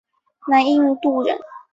南印度人。